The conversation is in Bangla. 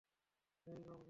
হেই, বাবু।